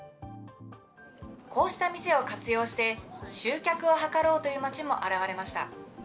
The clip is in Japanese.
こうした店を活用して、集客を図ろうという町も現れました。